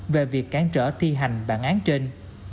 về việc cán trở thi hành bản án trên